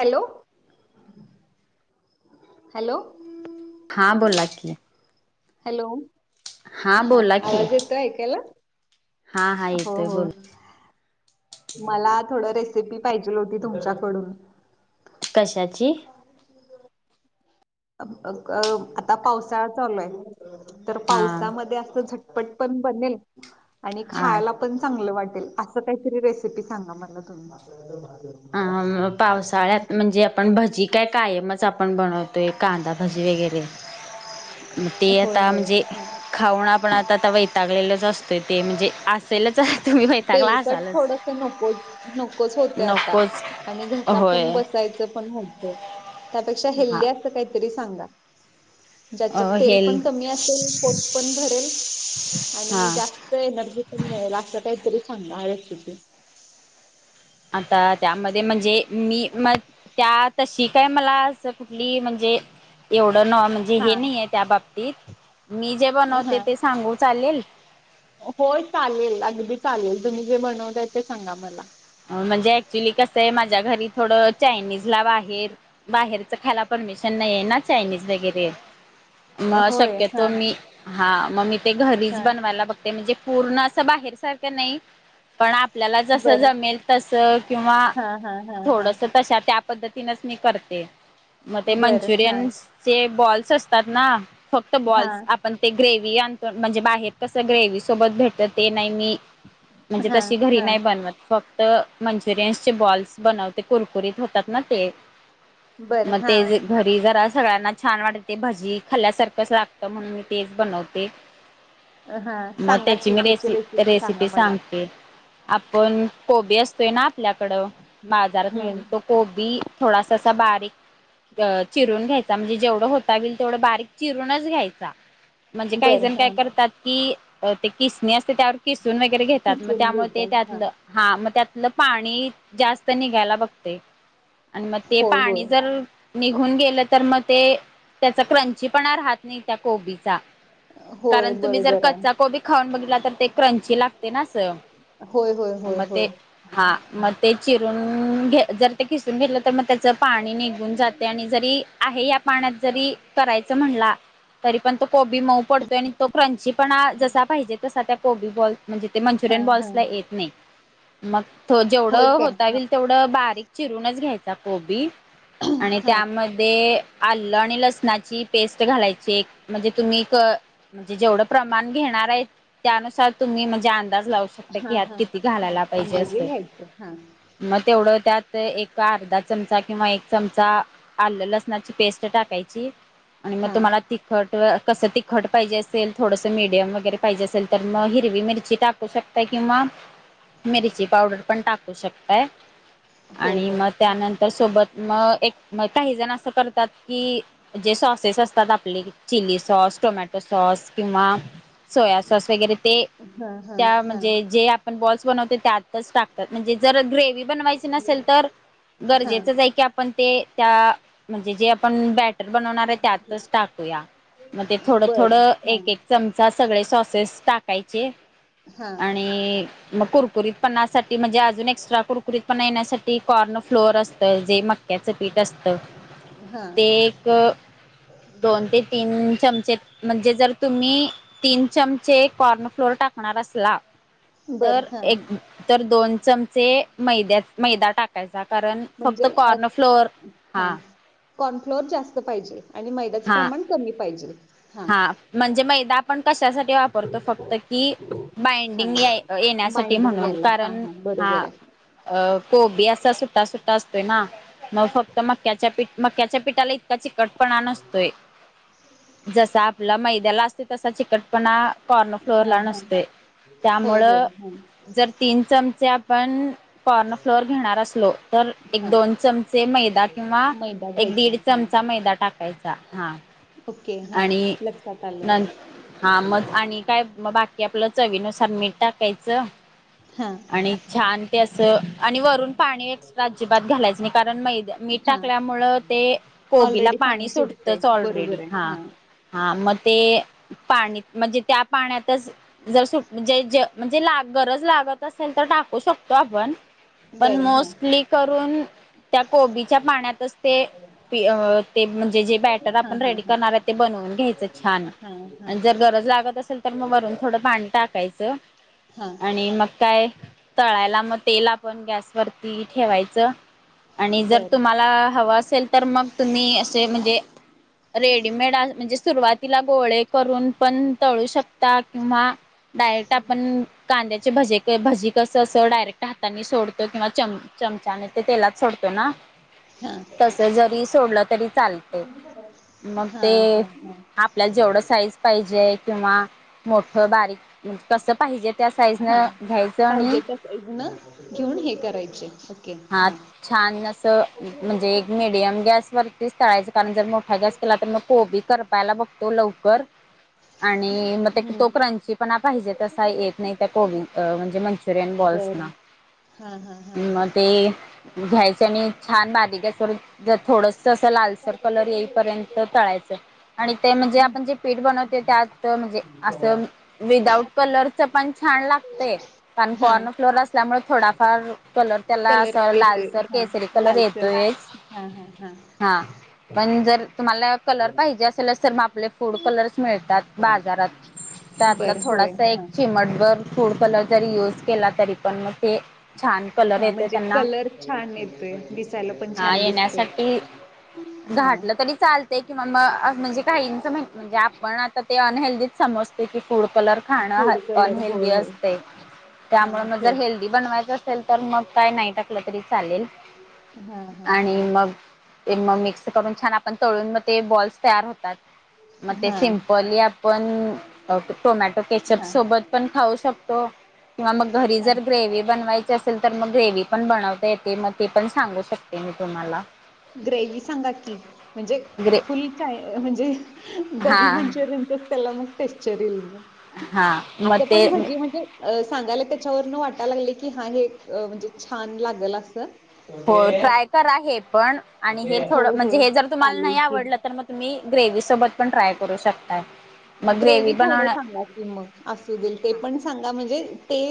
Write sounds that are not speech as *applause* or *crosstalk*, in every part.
Hello hello हा बोला की हॅलो हा बोला की आवाज येतोय ऐकायला हा हा हो येतोय हो बोला. मला थोड रेसिपी पाहिजे होती तुमच्याकडून कशाची? आता पावसाळा चालू आहे तर हा पावसामध्ये असं झट- -पट पण बनेल आणि हा खायला पण चांगलं वाटेल. असं काहीतरी रेसिपी सांगा मला तुम्हाला अ पावसाळ्यात म्हणजे आपण भजी काय कायमच आपण बनवतोय कांदा भजी वगैरे मग ते होय आता होय. म्हणजे हा. खाऊन आपण आता आता वैतागलेलंच असतोय ते म्हणजे असेलच तुम्ही वैतागला तेलकट असालच थोडस नको नकोच होत आता नकोच आणि घसा पण होय बसायचं पण होतंय. त्यापेक्षा हा हेल्दी अस काहीतरी सांगा. ज्याच्यात तेल हेल् पण कमी असेल पोट पण भरेल. आणि हां जास्त एनर्जी पण मिळेल असं काहीतरी सांगा ह रेसिपी आता त्यामध्ये म्हणजे मी म त्या तशी काय मला असं कुठली म्हणजे एवढं न म्हणजे हे हा. नाही आहे त्या बाबतीत मी जे बनवते हा ते सांगू चालेल? होय चालेल अगदी चालेल तुम्ही जे बनवताय ते सांगा मला म्हणजे ऍक्च्युली कसं आहे माझ्या घरी थोडं चायनीज ला बाहेर बाहेरच खायला पण परमिशन नाहीे ना चायनीज वगैरे मग होय. शक्यतो हा मी हा मग मी ते घरीच हा. बनवायला बघते म्हणजे पूर्ण असं बाहेर सारखं नाही पण आपल्याला जसं बरं. जमेल तसं किंवा हा हा हा हा. थोडस तश त्या पद्धतीनच मी करते. मग ते बरं. हा मंचुरियनचे बॉल्स असतात ना फक्त हा बॉल्स आपण ते ग्रेवी आणो म्हणजे बाहेर कसं ग्रेव्ही सोबत भेटत ते नाही मी म्हणजे हा तशी घरी हा नाही बनवत फक्त मंचुरियन्सचे बॉल्स बनवते कुरकुरीत होतात ना ते बरं मग हा. ते ज घरी जरा अस सगळ्यांना छान वाटते भजी खाल्ल्यासारखंच लागतं म्हणून मी तेच बनवते. हा मग सांगा त्याची की मी रेसि सांगा रेसिपी मला. सांगते. आपण कोबी असतोय ना आपल्याकडं बाजारात मिळत तो हम्म कोबी थोडासा बारीक अ चिरून घ्यायचा म्हणजे जेवढं होता होईल तेवढं बारीक चिरूनच घ्यायचा. म्हणजे काही बरं जण काय हा करतात की ते किसनी असते त्यावर कि सून वगैरे घेतात मग किसून त्यामुळे ते घेतात हा त्यातलं हा मग त्यातलं पाणी जास्त निघायला बघते. आणि मग ते होय होय. पाणी जर निघून गेलं तर मग ते त्याच क्रंची पण राहात नाही, त्या कोबीचा होय कारण तुम्ही जर बरोबर आहे कच् कोबी खाऊन बघ तर ते क्रंची लागते ना. होय हो. म ते हा. मग ते चिरून घ जर ते खिसून गेलं तर मग त्याच पाणी निघून जाते आणि जरी या पाण्यात जरी करायच म्हणला. तरी पण तो कोबी मऊ पडतोय आणि तो क्रंची पण जसा पाहिजे तसा त्या कोबी बॉल म्हणजे ते हा मंचुरियन हा बॉल्सला येत नाही. मग होय जेवढं काय होता होईल तेवढं बारीक चिरूनच घ्यायचा कोबी आणि त्यामध्ये आलं आणि लसणाची पेस्ट घालायची एक म्हणजे तुम्ही म्हणजे जेवढं प्रमाण घेण आणनार त्या नुसार तुम्ही अंदाज लाऊ हा शकताय हा किती हा घालायला पाहिजे अंदाजे असे घ्यायचं हा मग तेवढ त्यात तर एक अर्धा चमचा किंवा एक चमचा आलं लसणाची पेस्ट टाकायची. आणि मग हा तुम्हाला तिखट कसं तिखट पाहिजे असेल थोडंसं मिडियम वगैरे पाहिजे असेल तर मग हिरवी मिरची टाकू शकताय. किंवा. मिरची पावडर पण टाकू शकताय हो आणि हो मग त्यानंतर सोबत मग एक म काही जण असं करतात की जे सॉसेस असतात आपले चिली सॉस टोमॅटो सॉस किंवा सोया सॉस वगैरे ते हा हा त्या हा म्हणजे जे आपण बॉल्स बनवते त्यात टाकतात म्हणजे जर ग्रेवही बनवायची नसेल तर हा गरजेचच आहे की आपण ते त्या म्हणजे जे आपण बॅटर बनवणार आहे, त्यातच टाकू मग हा थोड थोड बर हा एक एक चमचा सगळे सॉसेस टाकायचे हा आणि मग कुरकुरीत पणासाठी म्हणजे अजून एक्स्ट्रा कुरकुरीत पणा येण्यासाठी कॉर्न फ्लोअर असतं जे मग क्याच पीठ असत. हा ते एक, दोन ते तीन चमचे म्हणजे जर तुम्ही तीन चमचे कॉर्न फ्लोर टाकणार असला बर तर हा एक तर दोन चमचे मैद्यात मैदा टाक कारण म्हणजे फक्त अ कॉर्नर फ्लोअर हा कॉर्नफ्लोअर जास्त पाहिजे. आणि मैद्याचं हा प्रमाण कमी पाहिजे हा म्हणजे मैदा आपण कशासाठी वापतो फक्त कि हा बाइंडिंग येण्यासाठी म्हणून कारण हा बरं. अ कोबी असा सुट्टा सुट्टा असतोय ना मग फक्त मक्याच्या पीठ मक्याच्या पिठाला त्या चिकटपण णस जसा आपलं मैद्याला असते तसा चिकटपणा कॉर्न फ्लोअर हा ला हा नसतोय. होय त्यामुळ होय हा जर तीन चमचे आपण कॉर्न फ्लोअर घेणार असलो, तर हा एक दोन चमचे मैदा किंवा मैदा एक घ्यायचा दीड हा चमचा मैदा टाक हां. ओके हा लक्षात. आलं न हा मग आणि काय म बाकी आपलं चवीनुसार मी टाकायच हा आणि छान ते असं आणि वरून पा एक्स्ट्रा अजिबात घालायच नाही कारण मै मीठ हा टाकल्यामुळे ते कोबीला ऑलरेडी पाणी सु सुटतंय ऑलरेडी बरोबर हा आहे हा मग ते पा म्हणजे त्या पाण्यात जरे म्हणजे गरज लागत अस टाकू शकतो आपण पण बरं हा मोस्टली करून त्या कोबीच्या पाण्यातच ते ते म्हणजे जे बॅटर हां आपण हां रेडी हां करणार आहे ते बनवून घ्यायचं छान हां हां आणि जर गरज लागत असेल तर मग वरून थोडं पाणी टाकाय च हां आणि मग काय तळायला मग तेल आ पण गॅस वरती ठेवायच, आणि जर बरं तुम्हाला हवा अ सेल तर मग तुम्ही असे म्हणजे रेडीमेड म्हणजे सुरुवातीला गोळे करून पण तळू शक या किंवा डायरेक्ट आपण कांद्याचे भजे भजी कस असं डायरेक्ट हाताने सोडतो किंवा चम चमचाने ते तेलात सोडतो ना हां तसं जरी सोडलं तरी चालतं. मग हां ते हां हां आपल्याला जेवढं साईज पाहिजे किंवा मोठं बारीक कसं पाहिजे त्या हा साईजनं घ्यायचं पाहिजे आणि त्या साईज न घेऊन हे करायचे. ओके हा हां छान अस म्हणजे एक मिडियम गॅ सवरतीच तळायचं कारण जर मोठा गॅस केला तर मग कोबी करपायला बघतो लवकर, आणि मग तो क्रंची पण पाहिजे तसा येत नाही त्या को म्हणजे मंचुरियन बॉल् बर हा हा हा हा घ्यायच आणि छान बारीक गॅसवर थोडंसं असं लालसर कलर येईपर्यंत तळायचं. आणि ते म्हणजे आपण जे पीठ बनवतो त्यात म्हणजे असं विदाउट कलरच पण छान लागतंय. कारण हां कॉर्न फ्लोर असल्यामुळे थोडाफार कलर त्याला कलर असं येतोय लालसर हा केसरी कलर लालसर येतोयच हा हा हा पण जर तुम्हाला कलर पाहिजे असेलच तर मग आपले फूड कलर मिळतात बाजारात त्यातला बरं होय थोडासा एक हां चिमटभर फूड कलर जरी युज केला तरी पण मग ते छान कलर हां ये म्हणजे कलर छान येतोय दिसायला पण हा छान दिसतंय. येण्यासाठी घाटलं तरी चालतंय किंवा म‌ अ म्हणजे काहींच म्हणजे आपण आता ते अनहेल्दीच समजतोय की फूड कलर खाणं फूड कलर अनहे होय ल्दी होय असतंय, हां त्यामुळे मग जर थोड हेल्दी बनवायचं असेल तर मग काय नाही टाकलं तरी चालेल. हां हां हां आणि मग ते मग मिक्स करून छान आ पण तळून मग ते बॉल्स तयार होतात, मग ते हां सिमपली आपण टोमॅटो केचअप हां सोबत पण खाऊ शकतो, किंवा मग घरी हां जर ग्रेवी बनवायची असेल तर मग ग्रेव्ही पण बनवता येते. मग ते पण सांगू शकते मी तुम्हाला. ग्रेवी सांगा की, म्हणजे ग्रे फुल चाय म्हणजे गोबी हा मंचुरियन च त्याला मग टेक्शर येईल मग, हा मग असं ते पण भजी म्हणजे सांगायला त्याच्यावरनं वाटा लागलंय की हा हे म्हणजे छान लागलं असं. हो ट्राय करा हे पण आणि हे होय थोडं म्हणजे होय हे जर तुम्हाला चालेल नाही की. आवडलं तर मग तुम्ही ग्रेवी सोबत पण ट्राय करू शकताय. मग ग्रेव्ही ग्रेवी थोडं बनवण्या सांगा कि मग असूदे ते पण सांगा म्हणजे ते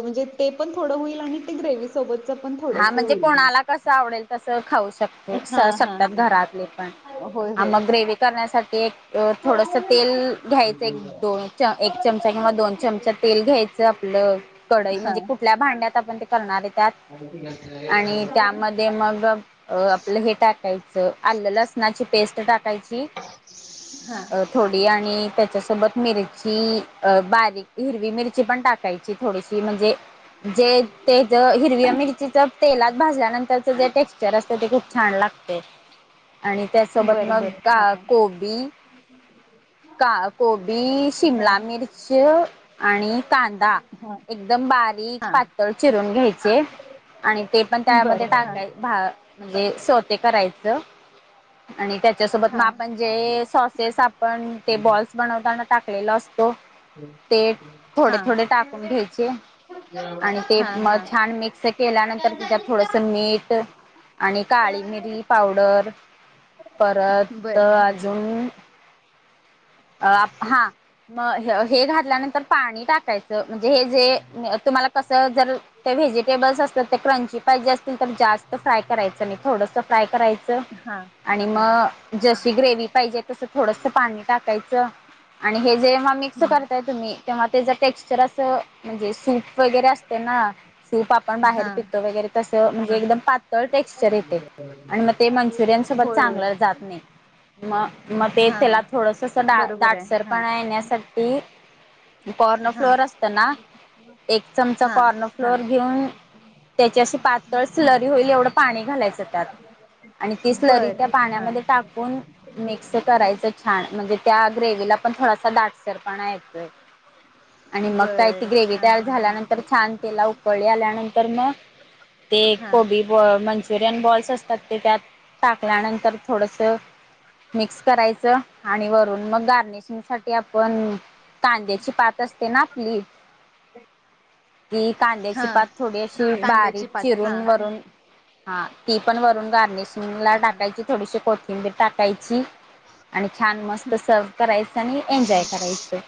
म्हणजे ते पण थोडं होईल आणि ते ग्रेवी सोबत हा म्हणजे कोणाला कसं आवडेल तसं खाऊ शकतो हा हा शकतात हा घरातले पण. होय हा होय. मग ग्रेवी करण्यासाठी एक थोडस तेल घ्यायचं एक दोन च एक चमचा किंवा दोन चमचा तेल घ्यायचं आपलं कडई हा म्हणजे कुठल्या भांड्यात आपण ते करणार आहे त्यात *unintelligible* आणि त्यामध्ये मग आपलं हे टा कायच आलं लसणाची पेस्ट टाकायची थोडी आणि त्याच्यासोबत मिरची अ बारीक हिरवी मिरची पण, टाकायची थोडीशी म्हणजे जे तेज हिरव्या मिरची तेलात भाजल्यानंतरच जे टेक्स्चर असते ते खूप छान लागतंय. आणि त्यासोबत बर मग बर का हा कोबी का गोबी हा शिमला मिर्च आणि कांदा हा एकदम बारीक हा पातळ चिरून घ्यायचंय आणि ते पण बर त्यामध्ये हा टाकाय भा म्हणजे स्योते करायचं. आणि त्याच्यासोबत म हा आपण हा जे सॉसेस आपण ते बॉल्स बनवताना टाकलेलं असतं ते थोडे थोडे टाकून घ्यायचे. आणि ते हा म हा छान मिक्स केल्यानंतर त्याच्यात थोडस मीठ आणि काळी मिरी पावडर परत बर हा अजून अ हा मग हे हे घातल्यानंतर पाणी टाकायचं. म्हणजे हे जे तुम्हाला कसं जर ते व्हेजिटेबल्स अस तर ते क्रंची पाहिजे असतील तर, जास्त फ्राय करायचं नाही थोडस फ्राय करायचं हा आणि म हा जशी ग्रेव्ही पाहिजे तसं थोडस पाणी टाकायचं आणि हे जेव्हा मिक्स करताय तुम्ही तेव्हा त्याच टेक्स्चर असं म्हणजे सूप वगैरे असते ना सूप आपण बाहेर हा पित वगैरे तसं म्हणजे एकदम. पातळ टेक्स्चर येते आणि मग ते मंचुरियन सोबत होय होय चांगलं जात नाई. म मग ते हा त्याला थोडंसं असं दाट बरोबर आहे हा दाटसरपणा येण्यासाठी कॉर्न हा फ्लोअर असत ना एक चमचा हा कॉर्न हा फ्लोअर घेऊन त्याची अशी पातळ स्लरी होईल एवढं पाणी घालायचं त्यात. आणि ती स्लरी बर त्या हा पाण्यामध्ये टाकून मिक्स करायचं छान म्हणजे त्या ग्रेव्हीला पण थोडासा दाटसर पणा येतोय. आणि मग काही त बर ग्रेवही हा हा तयार हा झाल्यानंतर छान तेला उकळी आल्यानंतर मगं ते हा कोबी ब मंचुरियन बॉल्स असतात ते त्यात टाकल्यानंतर थोडंसं मिक्स करायचं आणि वरून मग गार्निशिंग साठी आपण कांद्याची पात असते ना आपली *inaudible* ती कांद्याची हा पात थोडी अशी बारीक कांद्याची पात चिरून हा वरून हा ती पण वरून गार्निशिंग ला हा टाकायची, थोडीशी कोथिंबीर टाकायची. आणि छान मस्त सर्व्ह करायचं आणि एन्जॉय करायचं.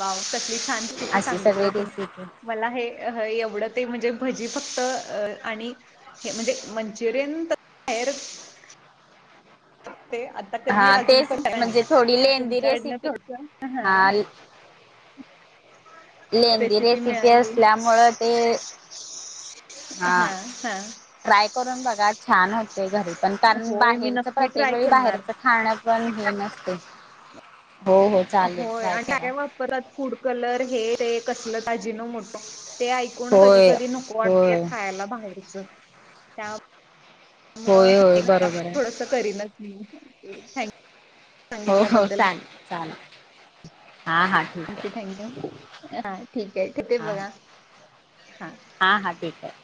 वाव कसली छान रेसिपी अशी सांगितला सगळी तुम्ही, रेसिपी मला हे एवढं ते म्हंजे भजी फक्त आणि हे म्हणजे मंचुरियन तर बाहेर ते आता कधी हा अजून तेच पण *unintelligible* नाही म्हणजे थोडी लेंदी तुमच्याकडन रेसिपी थोडस ह *inaudible* लेदीं रेसिपी असल्यामुळं ते हा हां हां. ट्राय करून बघा छान होते घरी पण कारण, होय मी बाहेरच नक्की प्रत्येक ट्राय वेळी करणार बाहेरचं खाणं पण चांगल नसते. हो हो चालेल होय ट्राय आणि करा आणल्यावर परत फूड कलर हे ते कसलं ते अजीनो मोटो ते ऐकून कधी होय कधी नको वाटतें होय खायला बाहेरचं त्या होय होय बरोबर आहे. हम्म ओके थँक्यू. हो हो सांगितल्याबद्दल चाल चाल. थँक्यू थँक्यू हा ठीक आहे ठेवते बघा हा. हा हा ठीक आहे.